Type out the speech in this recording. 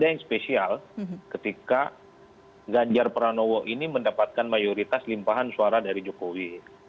ada yang spesial ketika ganjar pranowo ini mendapatkan mayoritas limpahan suara dari jokowi